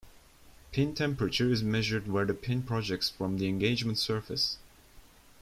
Pin temperature is measured where the pin projects from the engagement surface.